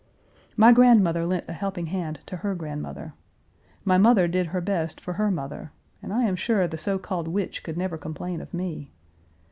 My grandmother lent a helping hand to her grandmother. My mother did her best for her mother, and I am sure the so called witch could never complain of me.